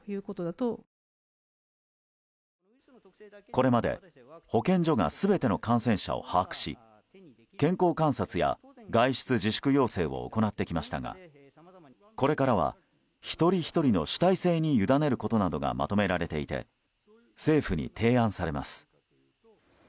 これまで保健所が全ての感染者を把握し健康観察や外出自粛要請を行ってきましたがこれからは一人ひとりの主体性に委ねることなどがまとめられていて政府に提案されます。